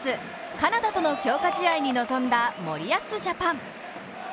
カナダとの強化試合に臨んだ森保ジャパン。